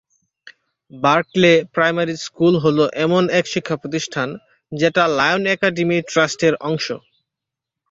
Berkeley primary school হল এমন এক শিক্ষা প্রতিষ্ঠান, যেটা লায়ন অ্যাকাডেমি ট্রাস্টের অংশ।